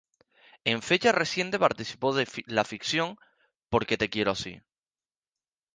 En fecha reciente participó de la ficción "Porque te quiero así".